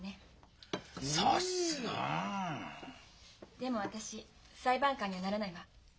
でも私裁判官にはならないわ。